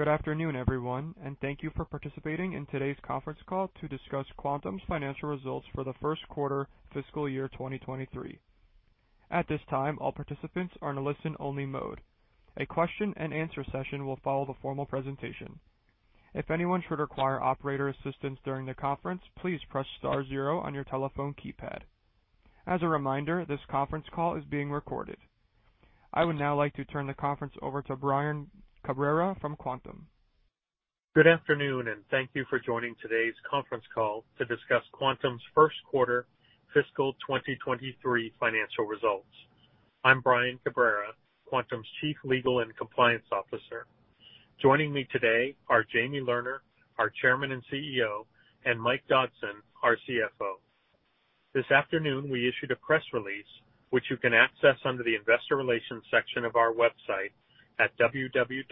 Good afternoon, everyone, and thank you for participating in today's conference call to discuss Quantum's Financial Results for the First Quarter Fiscal Year 2023. At this time, all participants are in a listen-only mode. A question-and-answer session will follow the formal presentation. If anyone should require operator assistance during the conference, please press star zero on your telephone keypad. As a reminder, this conference call is being recorded. I would now like to turn the conference over to Brian Cabrera from Quantum. Good afternoon, and thank you for joining today's conference call to discuss Quantum's First Quarter Fiscal 2023 Financial Results. I'm Brian Cabrera, Quantum's Chief Legal and Compliance Officer. Joining me today are Jamie Lerner, our Chairman and CEO, and Mike Dodson, our CFO. This afternoon, we issued a press release, which you can access under the Investor Relations section of our website at www.quantum.com.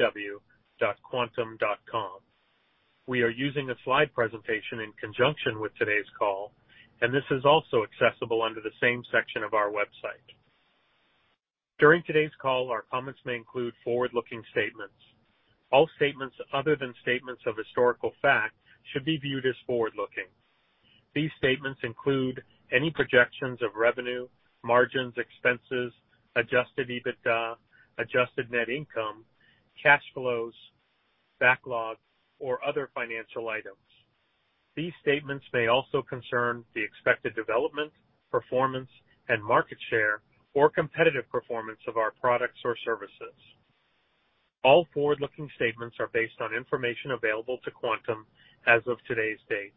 We are using a slide presentation in conjunction with today's call, and this is also accessible under the same section of our website. During today's call, our comments may include forward-looking statements. All statements other than statements of historical fact should be viewed as forward-looking. These statements include any projections of revenue, margins, expenses, adjusted EBITDA, adjusted net income, cash flows, backlogs, or other financial items. These statements may also concern the expected development, performance, and market share, or competitive performance of our products or services. All forward-looking statements are based on information available to Quantum as of today's date.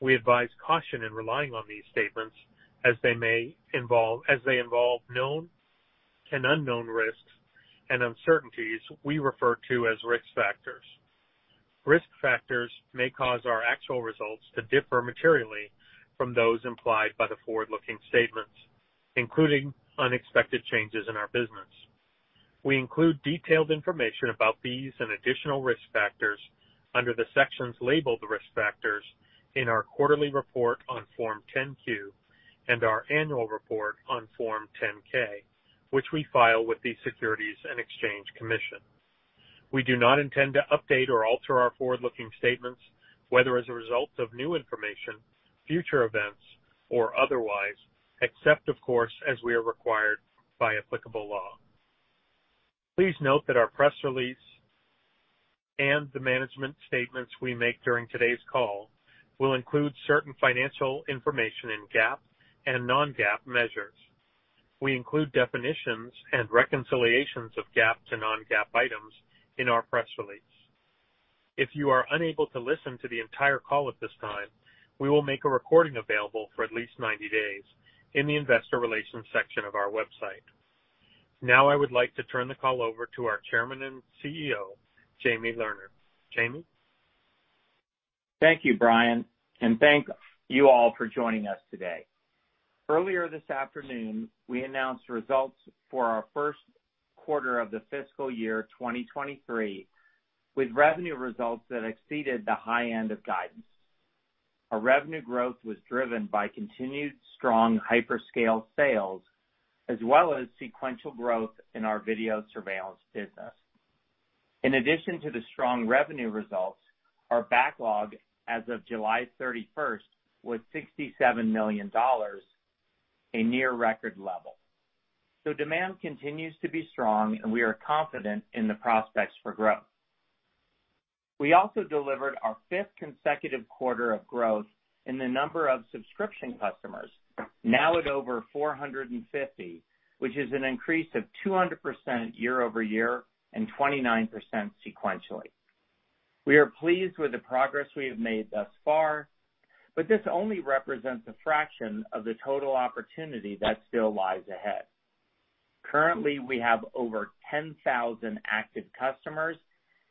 We advise caution in relying on these statements as they involve known and unknown risks and uncertainties we refer to as risk factors. Risk factors may cause our actual results to differ materially from those implied by the forward-looking statements, including unexpected changes in our business. We include detailed information about these and additional risk factors under the sections labeled Risk Factors in our quarterly report on Form 10-Q and our annual report on Form 10-K, which we file with the Securities and Exchange Commission. We do not intend to update or alter our forward-looking statements, whether as a result of new information, future events, or otherwise, except, of course, as we are required by applicable law. Please note that our press release and the management statements we make during today's call will include certain financial information in GAAP and non-GAAP measures. We include definitions and reconciliations of GAAP to non-GAAP items in our press release. If you are unable to listen to the entire call at this time, we will make a recording available for at least 90 days in the Investor Relations section of our website. Now, I would like to turn the call over to our Chairman and CEO, Jamie Lerner. Jamie? Thank you, Brian, and thank you all for joining us today. Earlier this afternoon, we announced results for our first quarter of the fiscal year 2023, with revenue results that exceeded the high end of guidance. Our revenue growth was driven by continued strong hyperscale sales as well as sequential growth in our video surveillance business. In addition to the strong revenue results, our backlog as of July 31 was $67 million, a near-record level. Demand continues to be strong, and we are confident in the prospects for growth. We also delivered our fifth consecutive quarter of growth in the number of subscription customers, now at over 450, which is an increase of 200% year-over-year and 29% sequentially. We are pleased with the progress we have made thus far, but this only represents a fraction of the total opportunity that still lies ahead. Currently, we have over 10,000 active customers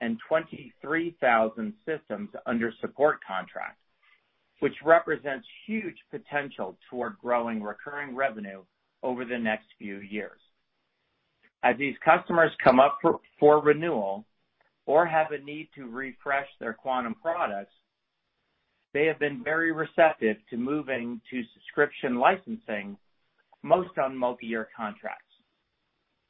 and 23,000 systems under support contract, which represents huge potential toward growing recurring revenue over the next few years. As these customers come up for renewal or have a need to refresh their Quantum products, they have been very receptive to moving to subscription licensing, most on multiyear contracts.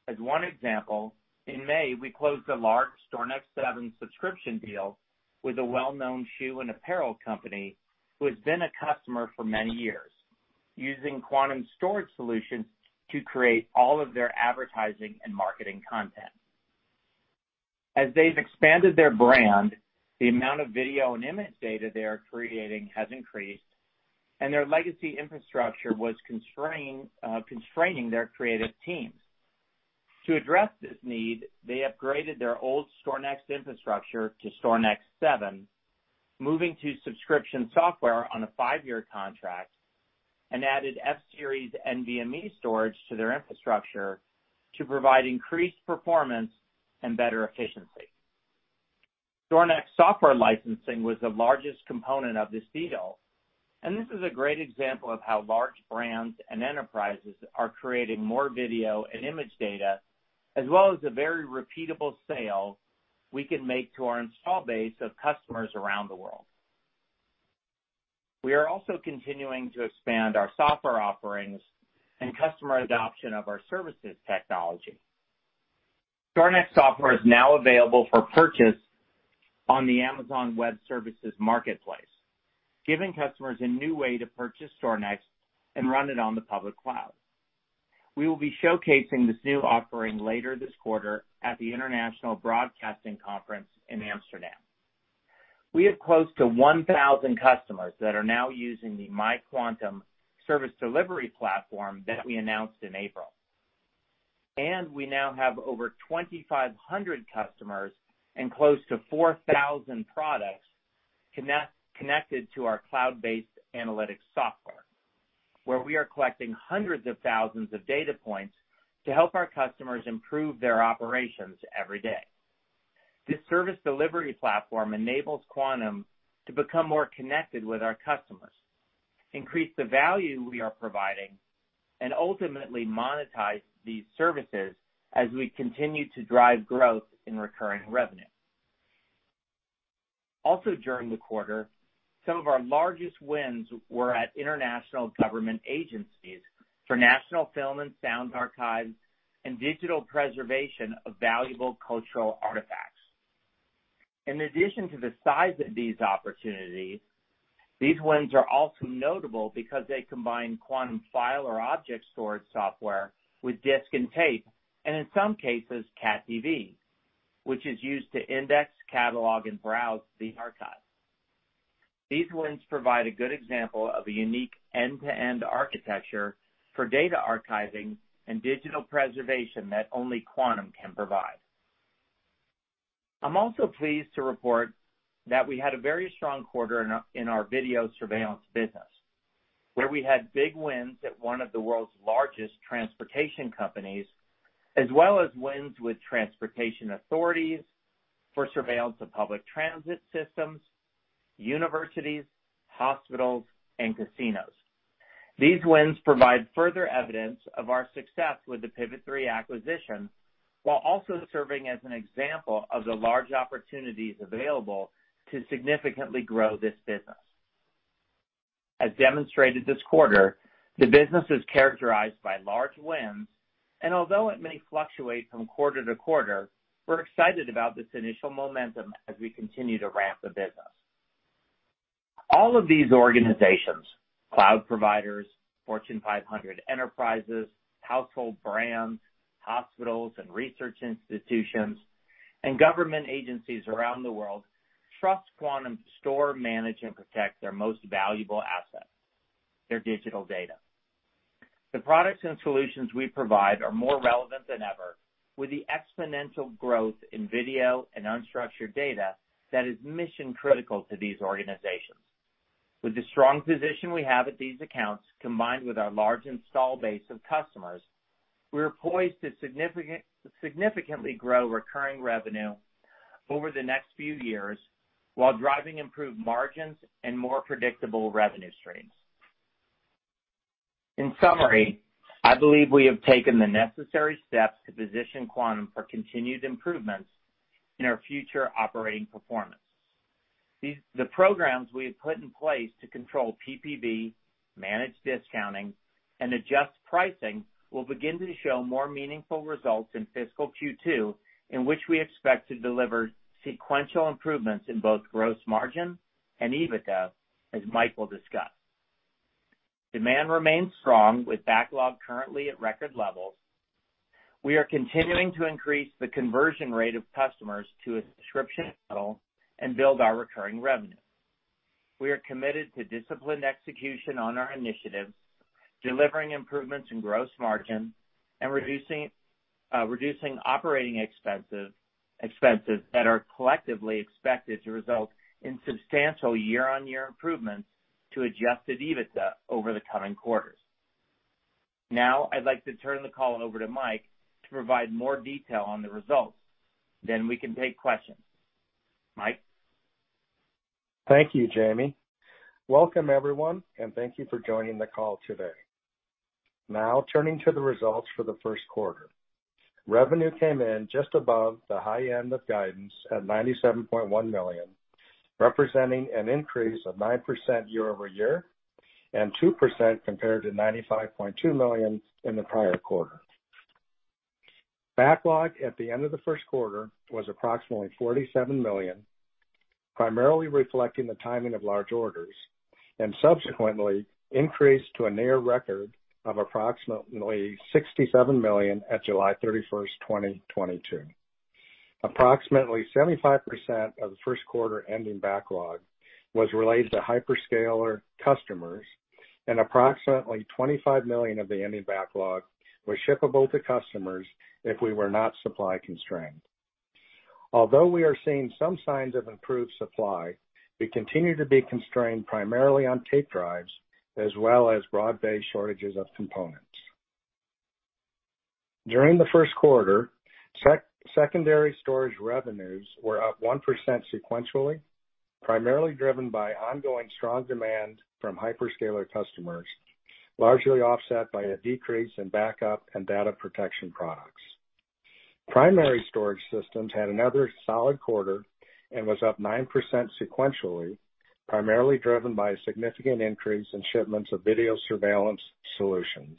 As one example, in May, we closed a large StorNext 7 subscription deal with a well-known shoe and apparel company who has been a customer for many years, using Quantum storage solutions to create all of their advertising and marketing content. As they've expanded their brand, the amount of video and image data they are creating has increased, and their legacy infrastructure was constraining their creative teams. To address this need, they upgraded their old StorNext infrastructure to StorNext 7, moving to subscription software on a 5-year contract and added F-Series NVMe storage to their infrastructure to provide increased performance and better efficiency. StorNext software licensing was the largest component of this deal, and this is a great example of how large brands and enterprises are creating more video and image data, as well as a very repeatable sale we can make to our install base of customers around the world. We are also continuing to expand our software offerings and customer adoption of our services technology. StorNext software is now available for purchase on the Amazon Web Services Marketplace, giving customers a new way to purchase StorNext and run it on the public cloud. We will be showcasing this new offering later this quarter at the International Broadcasting Convention in Amsterdam. We have close to 1,000 customers that are now using the MyQuantum service delivery platform that we announced in April. We now have over 2,500 customers and close to 4,000 products connected to our cloud-based analytics software, where we are collecting hundreds of thousands of data points to help our customers improve their operations every day. This service delivery platform enables Quantum to become more connected with our customers, increase the value we are providing, and ultimately monetize these services as we continue to drive growth in recurring revenue. Also, during the quarter, some of our largest wins were at international government agencies for national film and sound archives and digital preservation of valuable cultural artifacts. In addition to the size of these opportunities, these wins are also notable because they combine Quantum file or object storage software with disk and tape, and in some cases, CatDV, which is used to index, catalog, and browse the archive. These wins provide a good example of a unique end-to-end architecture for data archiving and digital preservation that only Quantum can provide. I'm also pleased to report that we had a very strong quarter in our video surveillance business, where we had big wins at one of the world's largest transportation companies, as well as wins with transportation authorities for surveillance of public transit systems, universities, hospitals, and casinos. These wins provide further evidence of our success with the Pivot3 acquisition, while also serving as an example of the large opportunities available to significantly grow this business. As demonstrated this quarter, the business is characterized by large wins, and although it may fluctuate from quarter-to-quarter, we're excited about this initial momentum as we continue to ramp the business. All of these organizations, cloud providers, Fortune 500 enterprises, household brands, hospitals, and research institutions, and government agencies around the world, trust Quantum to store, manage, and protect their most valuable asset, their digital data. The products and solutions we provide are more relevant than ever with the exponential growth in video and unstructured data that is mission-critical to these organizations. With the strong position we have at these accounts, combined with our large installed base of customers, we are poised to significantly grow recurring revenue over the next few years while driving improved margins and more predictable revenue streams. In summary, I believe we have taken the necessary steps to position Quantum for continued improvements in our future operating performance. The programs we have put in place to control PPV, manage discounting, and adjust pricing will begin to show more meaningful results in fiscal Q2, in which we expect to deliver sequential improvements in both gross margin and EBITDA, as Mike will discuss. Demand remains strong with backlog currently at record levels. We are continuing to increase the conversion rate of customers to a subscription model and build our recurring revenue. We are committed to disciplined execution on our initiatives, delivering improvements in gross margin and reducing operating expenses that are collectively expected to result in substantial year-on-year improvements to adjusted EBITDA over the coming quarters. Now, I'd like to turn the call over to Mike to provide more detail on the results. Then we can take questions. Mike? Thank you, Jamie. Welcome, everyone, and thank you for joining the call today. Now, turning to the results for the first quarter. Revenue came in just above the high end of guidance at $97.1 million, representing an increase of 9% year-over-year and 2% compared to $95.2 million in the prior quarter. Backlog at the end of the first quarter was approximately $47 million, primarily reflecting the timing of large orders, and subsequently increased to a near record of approximately $67 million at July 31, 2022. Approximately 75% of the first quarter ending backlog was related to hyperscaler customers, and approximately $25 million of the ending backlog was shippable to customers if we were not supply constrained. Although we are seeing some signs of improved supply, we continue to be constrained primarily on tape drives as well as broad-based shortages of components. During the first quarter, secondary storage revenues were up 1% sequentially, primarily driven by ongoing strong demand from hyperscaler customers, largely offset by a decrease in backup and data protection products. Primary storage systems had another solid quarter and was up 9% sequentially, primarily driven by a significant increase in shipments of video surveillance solutions.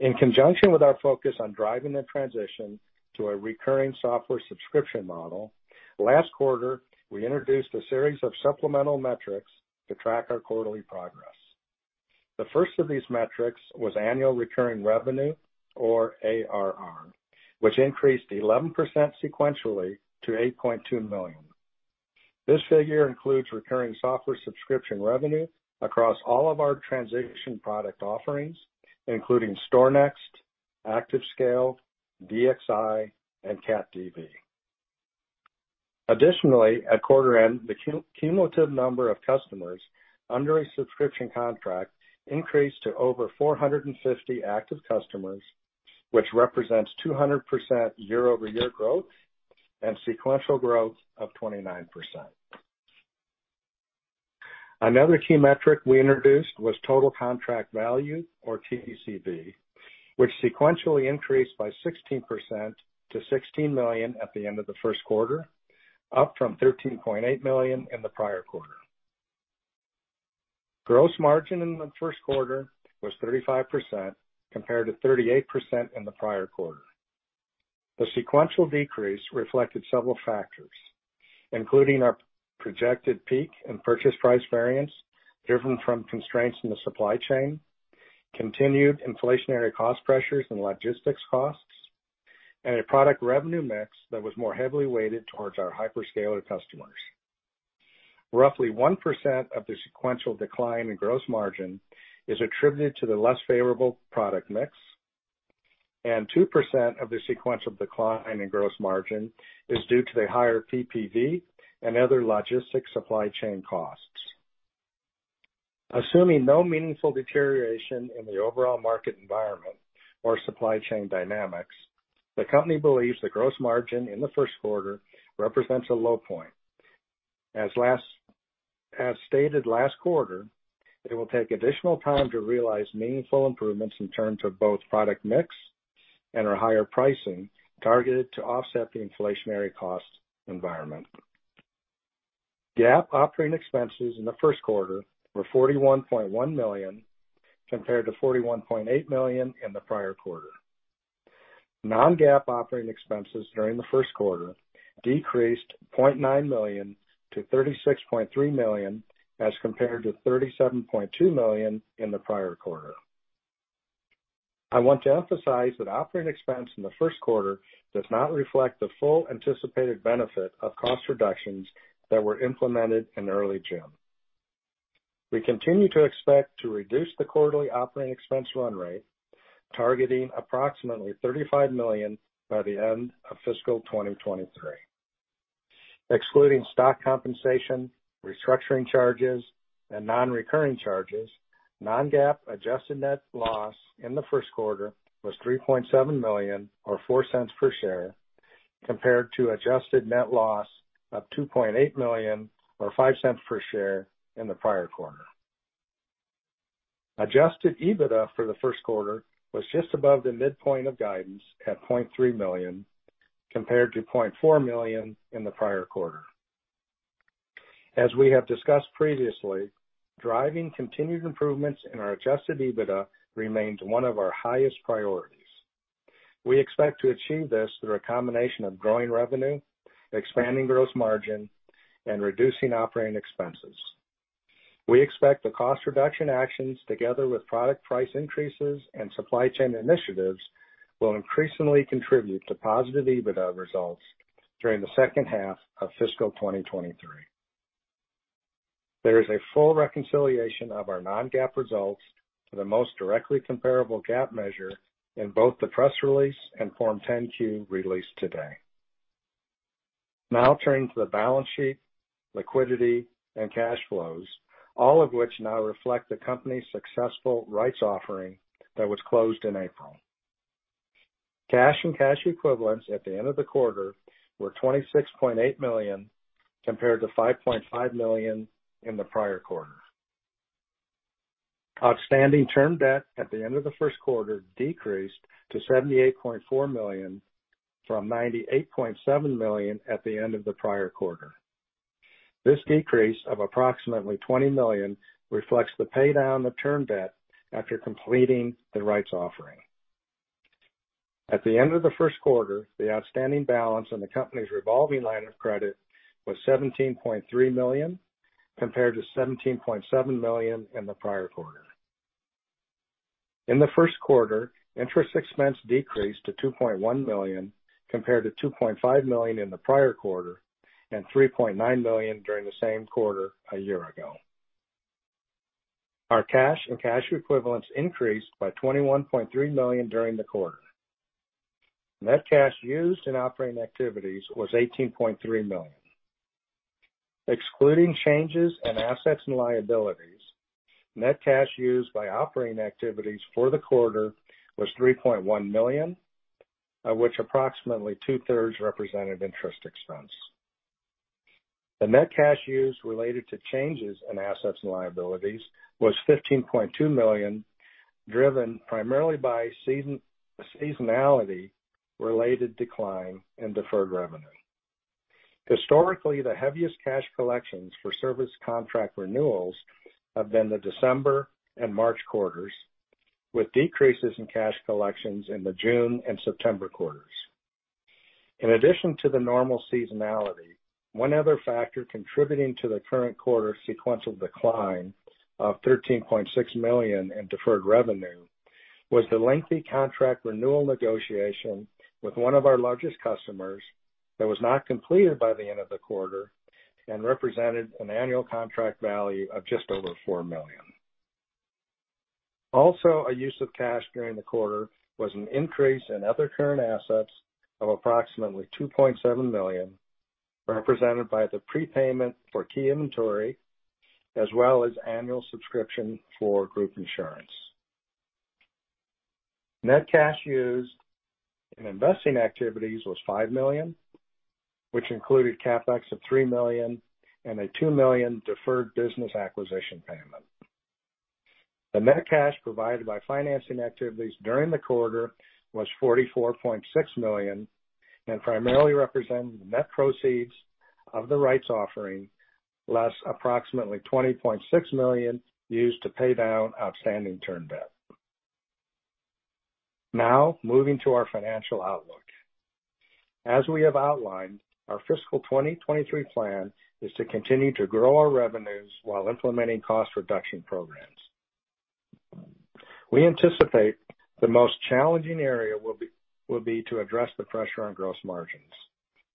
In conjunction with our focus on driving the transition to a recurring software subscription model, last quarter, we introduced a series of supplemental metrics to track our quarterly progress. The first of these metrics was annual recurring revenue, or ARR, which increased 11% sequentially to $8.2 million. This figure includes recurring software subscription revenue across all of our transition product offerings, including StorNext, ActiveScale, DXi, and CatDV. Additionally, at quarter end, the cumulative number of customers under a subscription contract increased to over 450 active customers, which represents 200% year-over-year growth and sequential growth of 29%. Another key metric we introduced was total contract value, or TCV, which sequentially increased by 16% to $16 million at the end of the first quarter, up from $13.8 million in the prior quarter. Gross margin in the first quarter was 35%, compared to 38% in the prior quarter. The sequential decrease reflected several factors, including our projected peak and purchase price variance driven from constraints in the supply chain, continued inflationary cost pressures and logistics costs, and a product revenue mix that was more heavily weighted towards our hyperscaler customers. Roughly 1% of the sequential decline in gross margin is attributed to the less favorable product mix, and 2% of the sequential decline in gross margin is due to the higher PPV and other logistics supply chain costs. Assuming no meaningful deterioration in the overall market environment or supply chain dynamics, the company believes the gross margin in the first quarter represents a low point. As stated last quarter, it will take additional time to realize meaningful improvements in terms of both product mix and our higher pricing targeted to offset the inflationary cost environment. GAAP operating expenses in the first quarter were $41.1 million, compared to $41.8 million in the prior quarter. Non-GAAP operating expenses during the first quarter decreased $0.9 million-$36.3 million, as compared to $37.2 million in the prior quarter. I want to emphasize that operating expense in the first quarter does not reflect the full anticipated benefit of cost reductions that were implemented in early June. We continue to expect to reduce the quarterly operating expense run rate, targeting approximately $35 million by the end of fiscal 2023. Excluding stock compensation, restructuring charges, and non-recurring charges, non-GAAP adjusted net loss in the first quarter was $3.7 million or $0.04 per share, compared to adjusted net loss of $2.8 million or $0.05 per share in the prior quarter. Adjusted EBITDA for the first quarter was just above the midpoint of guidance at $0.3 million, compared to $0.4 million in the prior quarter. As we have discussed previously, driving continued improvements in our adjusted EBITDA remains one of our highest priorities. We expect to achieve this through a combination of growing revenue, expanding gross margin, and reducing operating expenses. We expect the cost reduction actions, together with product price increases and supply chain initiatives, will increasingly contribute to positive EBITDA results during the second half of fiscal 2023. There is a full reconciliation of our non-GAAP results to the most directly comparable GAAP measure in both the press release and Form 10-Q released today. Now turning to the balance sheet, liquidity, and cash flows, all of which now reflect the company's successful rights offering that was closed in April. Cash and cash equivalents at the end of the quarter were $26.8 million, compared to $5.5 million in the prior quarter. Outstanding term debt at the end of the first quarter decreased to $78.4 million from $98.7 million at the end of the prior quarter. This decrease of approximately $20 million reflects the paydown of term debt after completing the rights offering. At the end of the first quarter, the outstanding balance on the company's revolving line of credit was $17.3 million, compared to $17.7 million in the prior quarter. In the first quarter, interest expense decreased to $2.1 million, compared to $2.5 million in the prior quarter and $3.9 million during the same quarter a year ago. Our cash and cash equivalents increased by $21.3 million during the quarter. Net cash used in operating activities was $18.3 million. Excluding changes in assets and liabilities, net cash used by operating activities for the quarter was $3.1 million, of which approximately 2/3s represented interest expense. The net cash used related to changes in assets and liabilities was $15.2 million, driven primarily by seasonality-related decline in deferred revenue. Historically, the heaviest cash collections for service contract renewals have been the December and March quarters, with decreases in cash collections in the June and September quarters. In addition to the normal seasonality, one other factor contributing to the current quarter sequential decline of $13.6 million in deferred revenue was the lengthy contract renewal negotiation with one of our largest customers that was not completed by the end of the quarter and represented an annual contract value of just over $4 million. Also, a use of cash during the quarter was an increase in other current assets of approximately $2.7 million, represented by the prepayment for key inventory as well as annual subscription for group insurance. Net cash used in investing activities was $5 million, which included CapEx of $3 million and a $2 million deferred business acquisition payment. The net cash provided by financing activities during the quarter was $44.6 million and primarily represented the net proceeds of the rights offering, less approximately $20.6 million used to pay down outstanding term debt. Now moving to our financial outlook. As we have outlined, our fiscal 2023 plan is to continue to grow our revenues while implementing cost reduction programs. We anticipate the most challenging area will be to address the pressure on gross margins.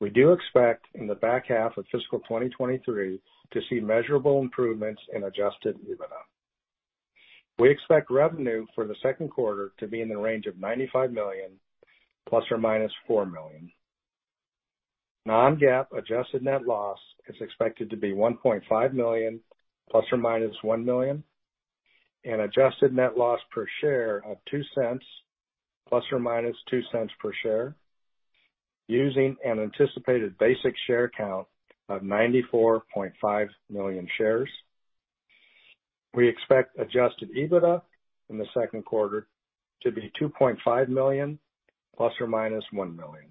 We do expect in the back half of fiscal 2023 to see measurable improvements in adjusted EBITDA. We expect revenue for the second quarter to be in the range of $95 million ± 4 million. Non-GAAP adjusted net loss is expected to be $1.5 million ± $1 million, and adjusted net loss per share of $0.02 ± $0.02 per share, using an anticipated basic share count of 94.5 million shares. We expect adjusted EBITDA in the second quarter to be $2.5 million ± $1 million.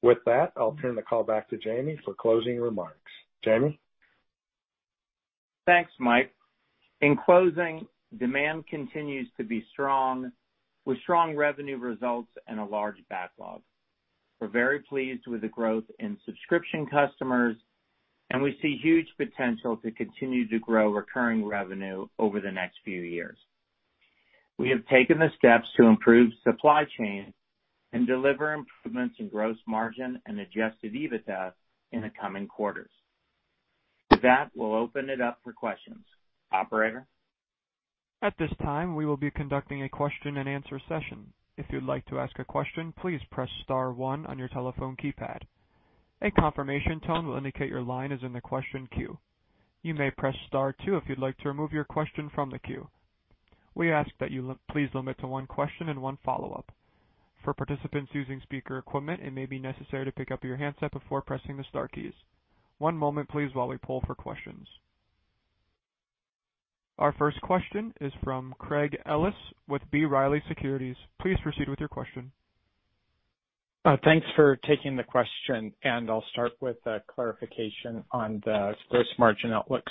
With that, I'll turn the call back to Jamie for closing remarks. Jamie? Thanks, Mike. In closing, demand continues to be strong with strong revenue results and a large backlog. We're very pleased with the growth in subscription customers, and we see huge potential to continue to grow recurring revenue over the next few years. We have taken the steps to improve supply chain and deliver improvements in gross margin and adjusted EBITDA in the coming quarters. With that, we'll open it up for questions. Operator? At this time, we will be conducting a question-and-answer session. If you'd like to ask a question, please press star one on your telephone keypad. A confirmation tone will indicate your line is in the question queue. You may press star two if you'd like to remove your question from the queue. We ask that you please limit to one question and one follow-up. For participants using speaker equipment, it may be necessary to pick up your handset before pressing the star keys. One moment please while we poll for questions. Our first question is from Craig Ellis with B. Riley Securities. Please proceed with your question. Thanks for taking the question, and I'll start with a clarification on the gross margin outlook.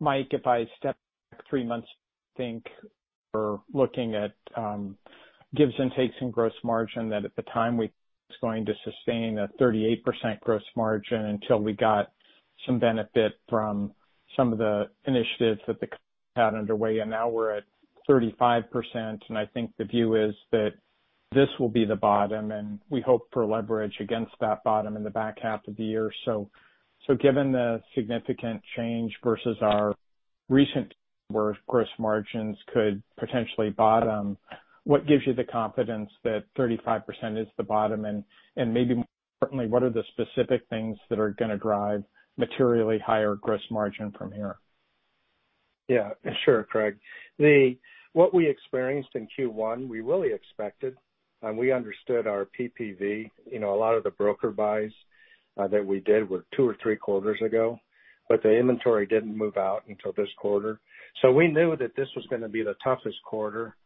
Mike, if I step back three months, think we're looking at gives and takes in gross margin that at the time we was going to sustain a 38% gross margin until we got some benefit from some of the initiatives that they had underway, and now we're at 35%. I think the view is that this will be the bottom, and we hope for leverage against that bottom in the back half of the year. Given the significant change versus our recent, where gross margins could potentially bottom, what gives you the confidence that 35% is the bottom? Maybe more importantly, what are the specific things that are gonna drive materially higher gross margin from here? Yeah, sure, Craig. What we experienced in Q1, we really expected, and we understood our PPV. You know, a lot of the broker buys that we did were two or three quarters ago, but the inventory didn't move out until this quarter. We knew that this was gonna be the toughest quarter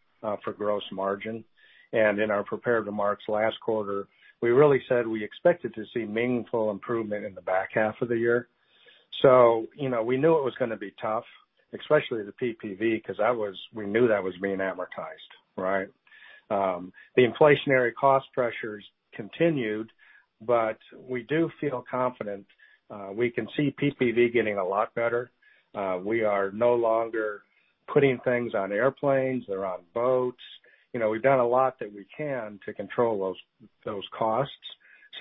for gross margin. In our prepared remarks last quarter, we really said we expected to see meaningful improvement in the back half of the year. You know, we knew it was gonna be tough, especially the PPV, 'cause that was--we knew that was being amortized, right? The inflationary cost pressures continued, but we do feel confident. We can see PPV getting a lot better. We are no longer putting things on airplanes or on boats. You know, we've done a lot that we can to control those costs.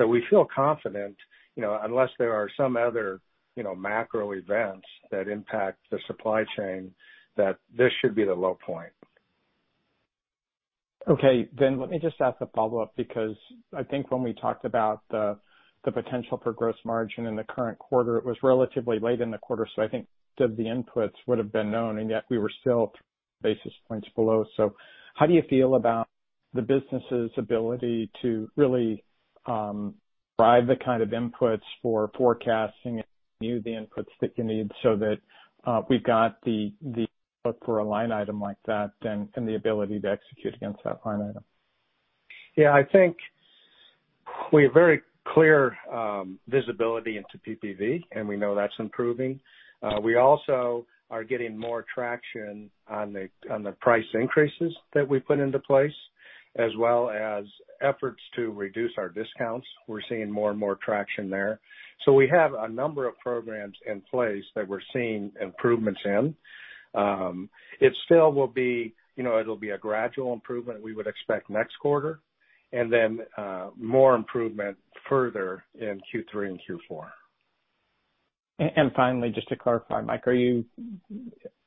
We feel confident, you know, unless there are some other, you know, macro events that impact the supply chain, that this should be the low point. Okay. Let me just ask a follow-up, because I think when we talked about the potential for gross margin in the current quarter, it was relatively late in the quarter, so I think the inputs would have been known, and yet we were still basis points below. How do you feel about the business's ability to really drive the kind of inputs for forecasting and view the inputs that you need so that we've got the look for a line item like that then, and the ability to execute against that line item. Yeah, I think we have very clear visibility into PPV, and we know that's improving. We also are getting more traction on the price increases that we put into place, as well as efforts to reduce our discounts. We're seeing more and more traction there. We have a number of programs in place that we're seeing improvements in. It still will be, you know, it'll be a gradual improvement we would expect next quarter, and then more improvement further in Q3 and Q4. Finally, just to clarify, Mike, are you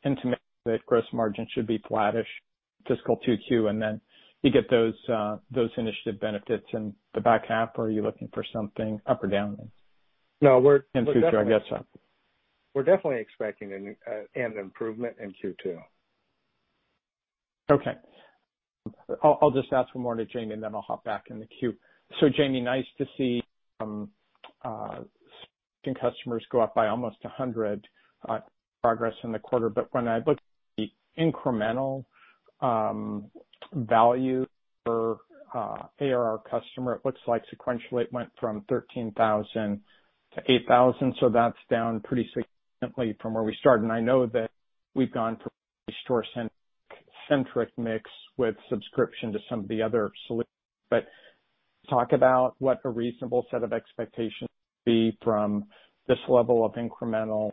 indicating that gross margin should be flattish fiscal 2Q, and then you get those initiative benefits in the back half? Or are you looking for something up or down then? No. In future, I guess. We're definitely expecting an improvement in Q2. Okay. I'll just ask one more to Jamie, and then I'll hop back in the queue. Jamie, nice to see seeing customers go up by almost 100% in the quarter. When I look at the incremental value for ARR customer, it looks like sequentially it went from $13,000-$8,000. That's down pretty significantly from where we started. I know that we've gone pretty StorNext-centric mix with subscription to some of the other solutions. Talk about what a reasonable set of expectations would be from this level of incremental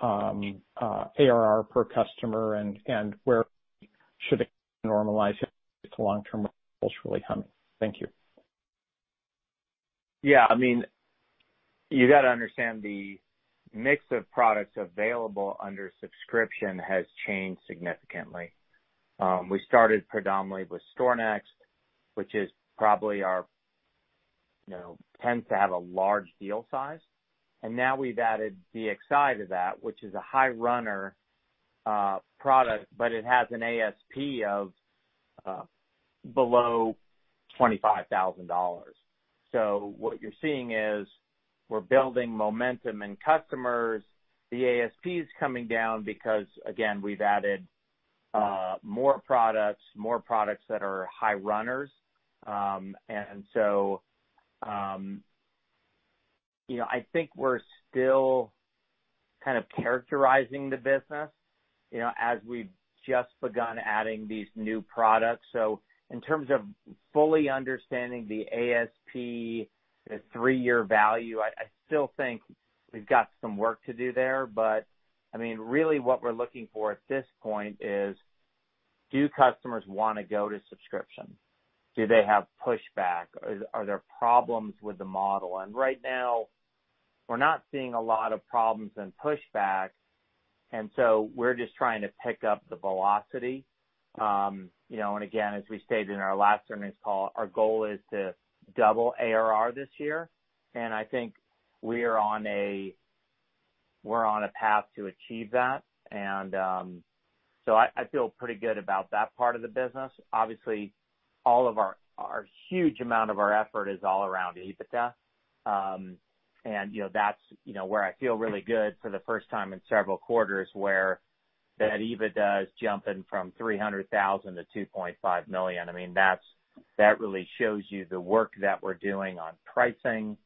ARR per customer, and where should it normalize if it's long-term recurring. Thank you. Yeah, I mean, you gotta understand the mix of products available under subscription has changed significantly. We started predominantly with StorNext, which is probably our, you know, tends to have a large deal size. Now we've added DXi to that, which is a high-runner product, but it has an ASP of below $25,000. What you're seeing is we're building momentum and customers. The ASP is coming down because, again, we've added more products that are high runners. You know, I think we're still kind of characterizing the business, you know, as we've just begun adding these new products. In terms of fully understanding the ASP, the three-year value, I still think we've got some work to do there. I mean, really what we're looking for at this point is, do customers wanna go to subscription? Do they have pushback? Are there problems with the model? Right now, we're not seeing a lot of problems and pushback, so we're just trying to pick up the velocity. You know, again, as we stated in our last earnings call, our goal is to double ARR this year, and I think we're on a path to achieve that. I feel pretty good about that part of the business. Obviously, all of our huge amount of our effort is all around EBITDA. You know, that's where I feel really good for the first time in several quarters where that EBITDA is jumping from $300,000-$2.5 million. I mean, that really shows you the work that we're doing on pricing,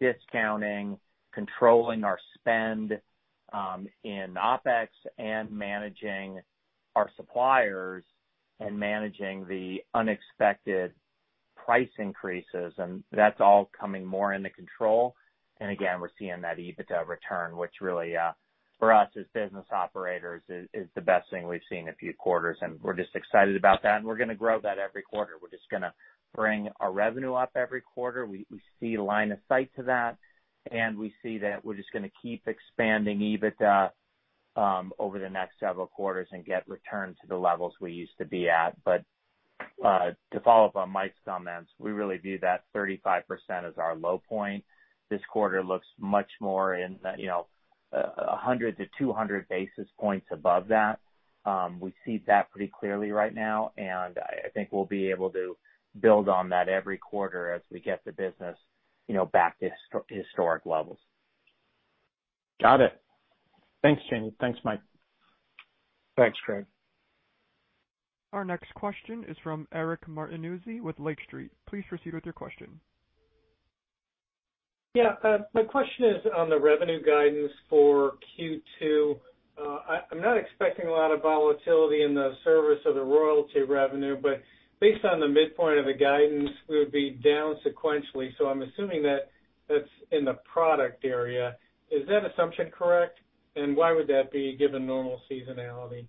discounting, controlling our spend in OpEx, and managing our suppliers, and managing the unexpected price increases. That's all coming more into control. Again, we're seeing that EBITDA return, which really for us as business operators is the best thing we've seen in a few quarters, and we're just excited about that. We're gonna grow that every quarter. We're just gonna bring our revenue up every quarter. We see line of sight to that, and we see that we're just gonna keep expanding EBITDA over the next several quarters and get return to the levels we used to be at. But to follow up on Mike's comments, we really view that 35% as our low point. This quarter looks much more in the, you know, 100-200 basis points above that. We see that pretty clearly right now, and I think we'll be able to build on that every quarter as we get the business, you know, back to its historic levels. Got it. Thanks, Jamie. Thanks, Mike. Thanks, Craig. Our next question is from Eric Martinuzzi with Lake Street. Please proceed with your question. Yeah. My question is on the revenue guidance for Q2. I'm not expecting a lot of volatility in the service or the royalty revenue, but based on the midpoint of the guidance, we would be down sequentially. I'm assuming that that's in the product area. Is that assumption correct? Why would that be given normal seasonality?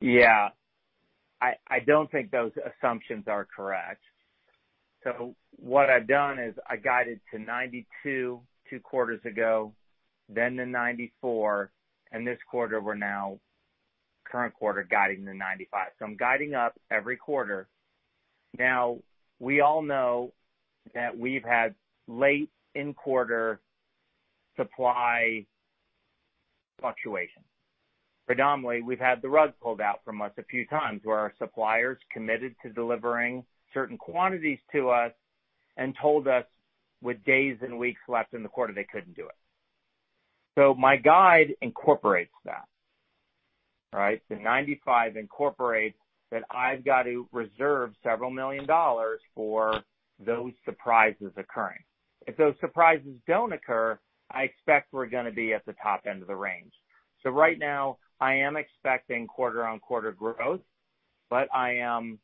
Yeah. I don't think those assumptions are correct. What I've done is I guided to $92 two quarters ago, then to $94, and this quarter we're now current quarter guiding to $95. I'm guiding up every quarter. Now, we all know that we've had late in-quarter supply fluctuation. Predominantly, we've had the rug pulled out from us a few times where our suppliers committed to delivering certain quantities to us and told us with days and weeks left in the quarter they couldn't do it. My guide incorporates that, right? The $95 incorporates that I've got to reserve several million dollars for those surprises occurring. If those surprises don't occur, I expect we're gonna be at the top end of the range. Right now, I am expecting quarter-on-quarter growth, but I am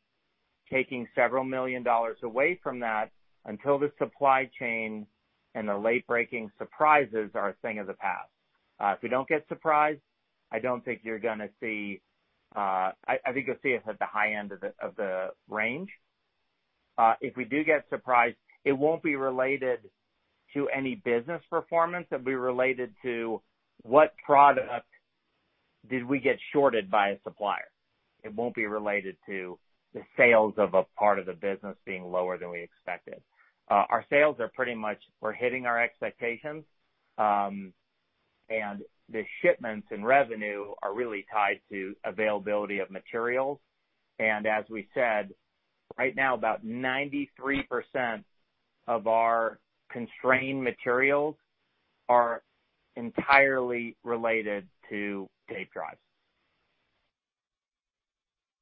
taking several million dollars away from that until the supply chain and the late-breaking surprises are a thing of the past. If we don't get surprised, I don't think you're gonna see--I think you'll see us at the high end of the range. If we do get surprised, it won't be related to any business performance. It'll be related to what product did we get shorted by a supplier. It won't be related to the sales of a part of the business being lower than we expected. Our sales are pretty much we're hitting our expectations, and the shipments and revenue are really tied to availability of materials. As we said, right now about 93% of our constrained materials are entirely related to tape drives.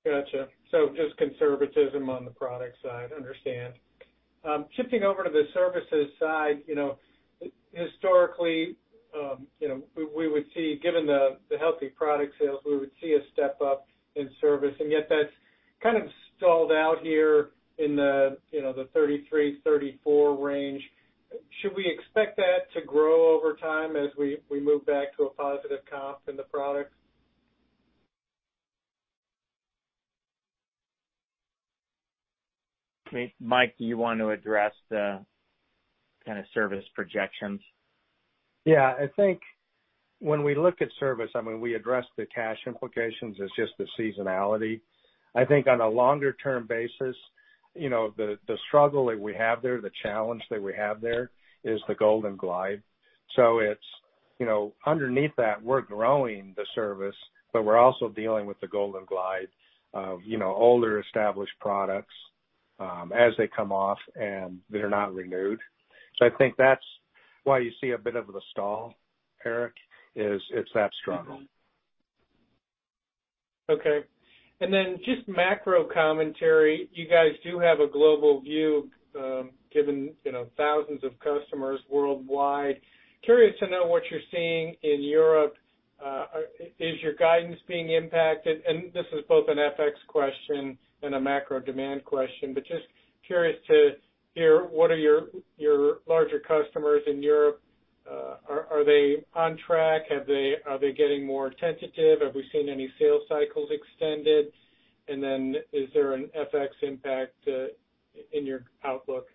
Gotcha. Just conservatism on the product side. Understand. Shifting over to the services side, you know, historically, you know, given the healthy product sales, we would see a step up in service, and yet that's kind of stalled out here in the, you know, the 33%-34% range. Should we expect that to grow over time as we move back to a positive comp in the products? Mike, do you want to address the kind of service projections? Yeah. I think when we look at service, I mean, we address the cash implications as just the seasonality. I think on a longer-term basis, you know, the struggle that we have there, the challenge that we have there is the golden glide. It's, you know, underneath that, we're growing the service, but we're also dealing with the golden glide of, you know, older established products as they come off and they're not renewed. I think that's why you see a bit of the stall, Eric, is it's that struggle. Okay. Just macro commentary. You guys do have a global view, given, you know, thousands of customers worldwide. Curious to know what you're seeing in Europe. Is your guidance being impacted? This is both an FX question and a macro demand question, but just curious to hear what are your larger customers in Europe, are they on track? Are they getting more tentative? Have we seen any sales cycles extended? Is there an FX impact in your outlook?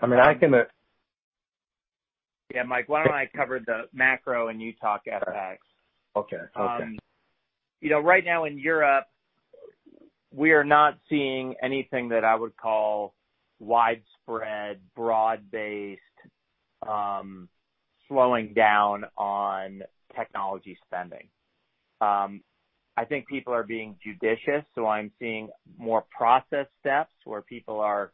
I mean. Yeah. Mike, why don't I cover the macro and you talk FX? Okay. Okay. You know, right now in Europe we are not seeing anything that I would call widespread, broad-based, slowing down on technology spending. I think people are being judicious, so I'm seeing more process steps where people are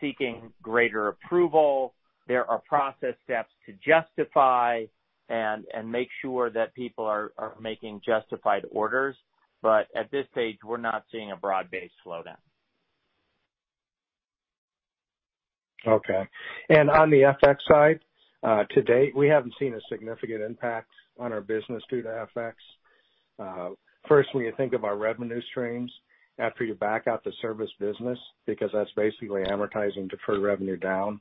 seeking greater approval. There are process steps to justify and make sure that people are making justified orders. At this stage, we're not seeing a broad-based slowdown. Okay. On the FX side, to date, we haven't seen a significant impact on our business due to FX. First, when you think of our revenue streams after you back out the service business, because that's basically amortizing deferred revenue down,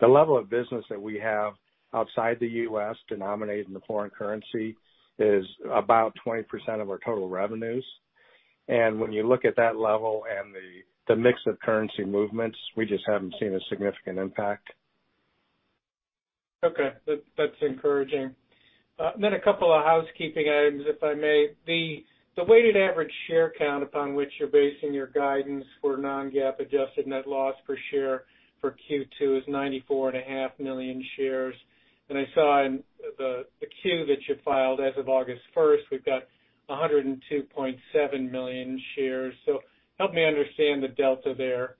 the level of business that we have outside the U.S. denominated in the foreign currency is about 20% of our total revenues. When you look at that level and the mix of currency movements, we just haven't seen a significant impact. Okay. That's encouraging. A couple of housekeeping items, if I may. The weighted average share count upon which you're basing your guidance for non-GAAP adjusted net loss per share for Q2 is 94.5 million shares. I saw in the 10-Q that you filed as of August first, we've got 102.7 million shares. Help me understand the delta there.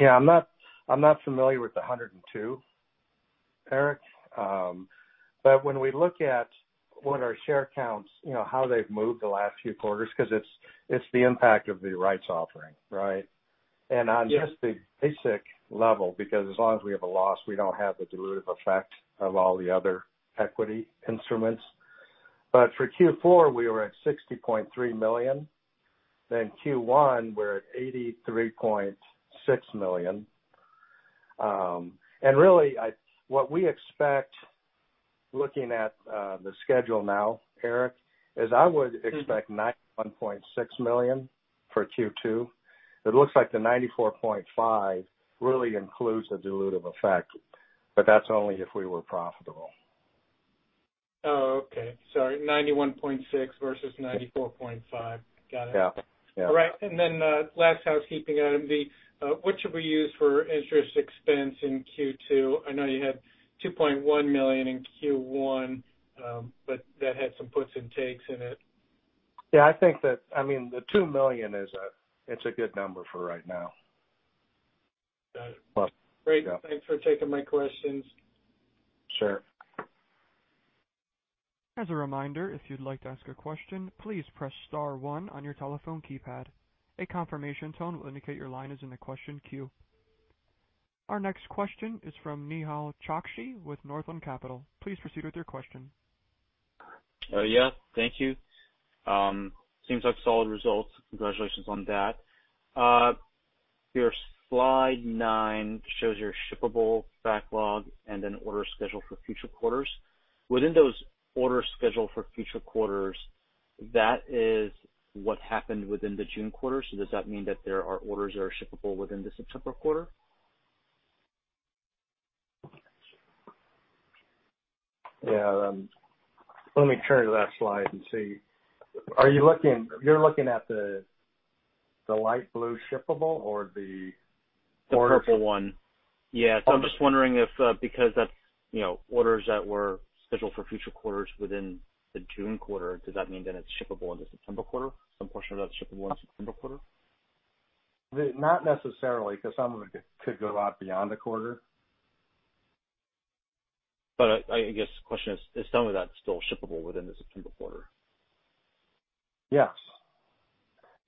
Yeah, I'm not familiar with the 102, Eric. When we look at what our share counts, you know, how they've moved the last few quarters because it's the impact of the rights offering, right? On just the basic level, because as long as we have a loss, we don't have the dilutive effect of all the other equity instruments. For Q4, we were at $60.3 million. Q1, we're at $83.6 million. Really, what we expect looking at the schedule now, Eric, is I would expect $91.6 million for Q2. It looks like the $94.5 really includes the dilutive effect, but that's only if we were profitable. Oh, okay. Sorry, 91.6 versus 94.5. Got it. Yeah. All right. Last housekeeping item. What should we use for interest expense in Q2? I know you had $2.1 million in Q1, but that had some puts and takes in it. I mean, the $2 million is a good number for right now. Got it. Yeah. Great. Thanks for taking my questions. Sure. As a reminder, if you'd like to ask a question, please press star one on your telephone keypad. A confirmation tone will indicate your line is in the question queue. Our next question is from Nehal Chokshi with Northland Capital Markets. Please proceed with your question. Oh, yeah. Thank you. Seems like solid results. Congratulations on that. Your slide nine shows your shippable backlog and then order schedule for future quarters. Within those orders scheduled for future quarters, that is what happened within the June quarter. Does that mean that there are orders that are shippable within the September quarter? Yeah. Let me turn to that slide and see. You're looking at the light blue shippable or the orders? The purple one. Yeah. Okay. I'm just wondering if, because that's, you know, orders that were scheduled for future quarters within the June quarter, does that mean that it's shippable in the September quarter? Some portion of that shippable in September quarter? Not necessarily, because some of it could go out beyond the quarter. I guess the question is some of that still shippable within the September quarter? Yes.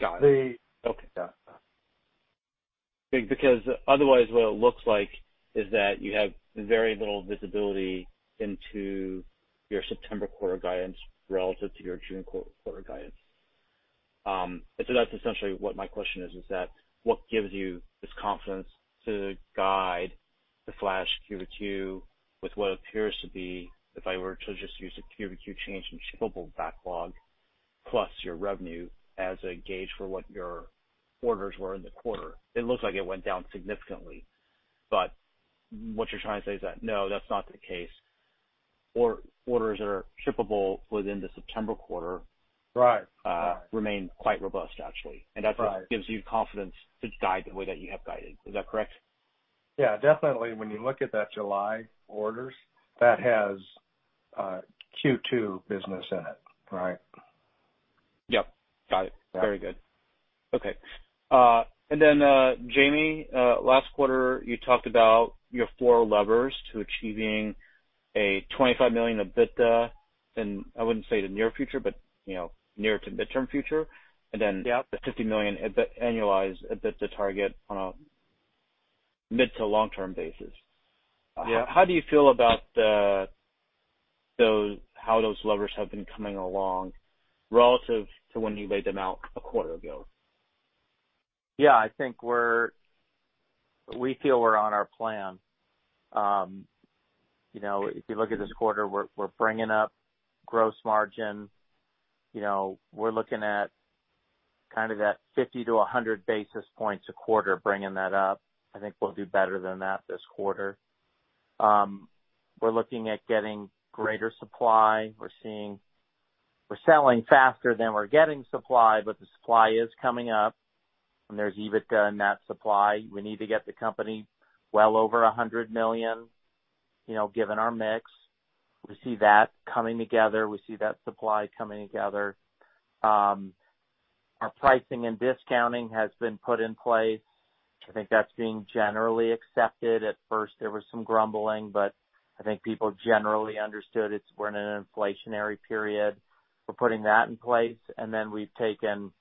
Got it. The-- Okay. Yeah. Because otherwise, what it looks like is that you have very little visibility into your September quarter guidance relative to your June quarter guidance. That's essentially what my question is, that what gives you this confidence to guide the flat Q to Q with what appears to be, if I were to just use the Q to Q change in shippable backlog plus your revenue as a gauge for what your orders were in the quarter, it looks like it went down significantly. What you're trying to say is that, no, that's not the case. Orders that are shippable within the September quarter remain quite robust, actually. Right. That's what gives you confidence to guide the way that you have guided. Is that correct? Yeah, definitely. When you look at that July orders, that has Q2 business in it, right? Yeah. Got it. Yeah. Very good. Okay. Jamie, last quarter, you talked about your four levers to achieving a $25 million EBITDA in, I wouldn't say the near future, but you know, near to midterm future. The $50 million annualized EBITDA target on a mid-to-long-term basis. How do you feel about how those levers have been coming along relative to when you laid them out a quarter ago? Yeah. I think we feel we're on our plan. You know, if you look at this quarter, we're bringing up gross margin. You know, we're looking at kind of that 50-100 basis points a quarter bringing that up. I think we'll do better than that this quarter. We're looking at getting greater supply. We're selling faster than we're getting supply, but the supply is coming up and there's EBITDA in that supply. We need to get the company well over $100 million, you know, given our mix. We see that coming together. We see that supply coming together. Our pricing and discounting has been put in place. I think that's being generally accepted. At first there was some grumbling, but I think people generally understood it's that we're in an inflationary period. We're putting that in place, and then we've taken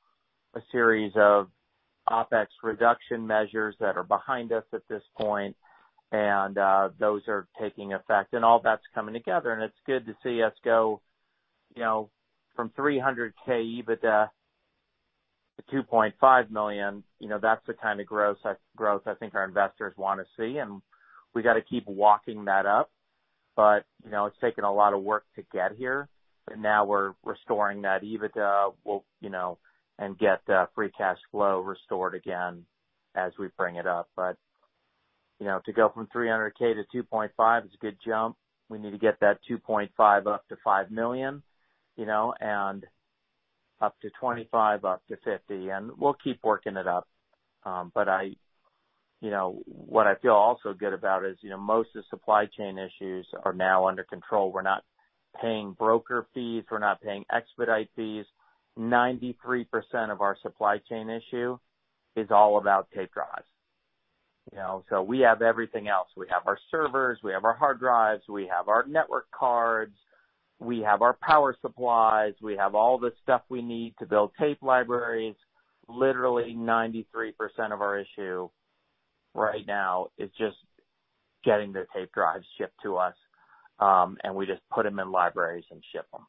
a series of OpEx reduction measures that are behind us at this point, and those are taking effect. All that's coming together and it's good to see us go, you know, from $300K EBITDA-$2.5 million. You know, that's the kind of growth I think our investors wanna see, and we gotta keep walking that up. You know, it's taken a lot of work to get here, but now we're restoring that EBITDA. We'll, you know, and get free cash flow restored again as we bring it up. You know, to go from $300K-$2.5 million is a good jump. We need to get that $2.5 up to $5 million, you know, and up to $25 million, up to $50 million, and we'll keep working it up. You know, what I feel also good about is, you know, most of the supply chain issues are now under control. We're not paying broker fees, we're not paying expedite fees. 93% of our supply chain issue is all about tape drives, you know. So we have everything else. We have our servers, we have our hard drives, we have our network cards, we have our power supplies, we have all the stuff we need to build tape libraries. Literally 93% of our issue right now is just getting the tape drives shipped to us, and we just put them in libraries and ship them.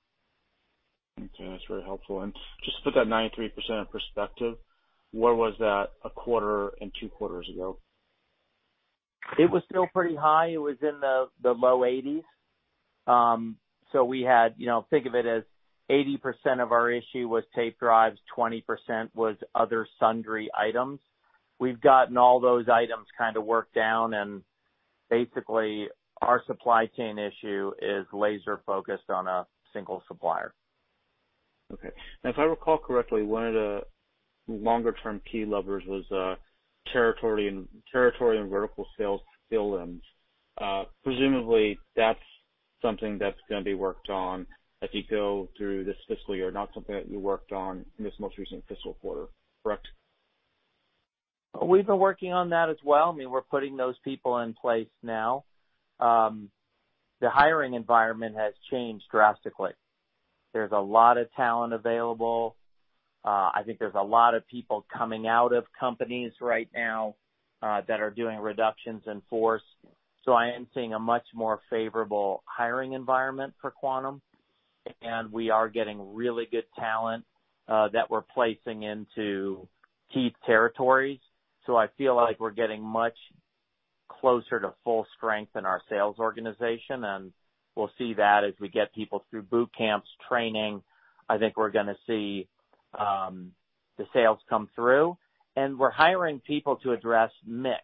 Okay. That's very helpful. Just to put that 93% in perspective, where was that a quarter and two quarters ago? It was still pretty high. It was in the low 80s. We had, you know, think of it as 80% of our issue was tape drives, 20% was other sundry items. We've gotten all those items kind of worked down and basically our supply chain issue is laser focused on a single supplier. Okay. Now, if I recall correctly, one of the longer term key levers was territory and vertical sales skill sets. Presumably, that's something that's gonna be worked on as you go through this fiscal year, not something that you worked on in this most recent fiscal quarter, correct? We've been working on that as well. I mean, we're putting those people in place now. The hiring environment has changed drastically. There's a lot of talent available. I think there's a lot of people coming out of companies right now that are doing reductions in force. I am seeing a much more favorable hiring environment for Quantum, and we are getting really good talent that we're placing into key territories. I feel like we're getting much closer to full strength in our sales organization, and we'll see that as we get people through boot camps, training. I think we're gonna see the sales come through. We're hiring people to address mix.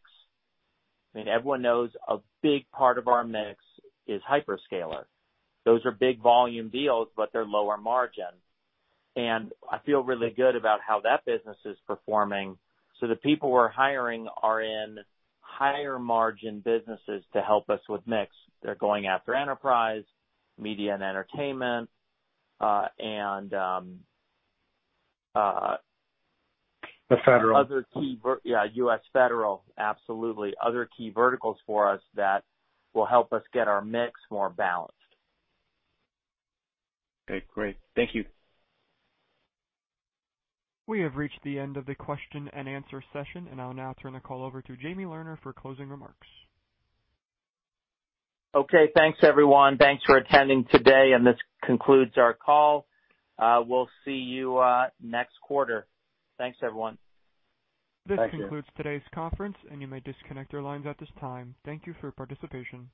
I mean, everyone knows a big part of our mix is hyperscaler. Those are big volume deals, but they're lower margin. I feel really good about how that business is performing. The people we're hiring are in higher margin businesses to help us with mix. They're going after enterprise, media and entertainment, and-- The federal. Yeah, U.S. Federal, absolutely. Other key verticals for us that will help us get our mix more balanced. Okay, great. Thank you. We have reached the end of the question and answer session, and I'll now turn the call over to Jamie Lerner for closing remarks. Okay, thanks, everyone. Thanks for attending today, and this concludes our call. We'll see you next quarter. Thanks, everyone. Thank you. This concludes today's conference, and you may disconnect your lines at this time. Thank you for your participation.